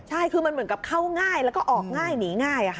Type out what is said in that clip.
ใช่คือมันเหมือนกับเข้าง่ายแล้วก็ออกง่ายหนีง่าย